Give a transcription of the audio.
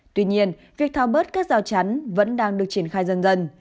tuy nhiên việc thao bớt các rào chắn vẫn đang được triển khai dần dần